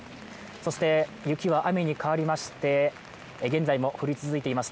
そして雪は雨に変わりまして現在も降り続いています。